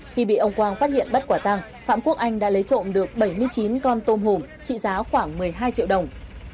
khi bị ông quang phát hiện bắt quả tăng phạm quốc anh đã lấy trộm được bảy mươi chín con tôm hùm trị giá khoảng một mươi hai triệu đồng